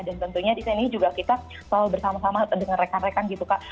dan tentunya di sini juga kita selalu bersama sama dengan rekan rekan gitu kak